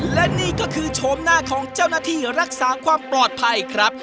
และนี่ก็คือโฉมหน้าของเจ้าหน้าที่รักษาความปลอดภัยครับ